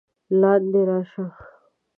لاندې راشه!